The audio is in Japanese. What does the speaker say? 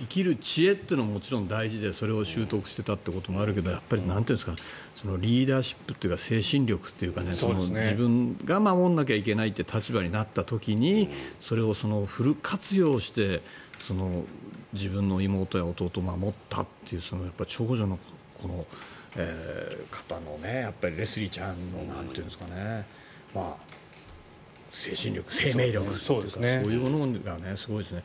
生きる知恵はもちろん大事でそれを習得していたということもあるけどやっぱりリーダーシップというか精神力というか自分が守らなきゃいけないという立場になった時にそれをフル活用して自分の妹や弟を守ったというその長女の方のレスリーちゃんの精神力、生命力というかそういうものがすごいですね。